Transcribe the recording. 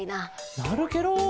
なるケロ！